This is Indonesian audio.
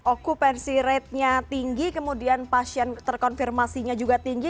akupansi rate nya tinggi kemudian pasien terkonfirmasinya juga tinggi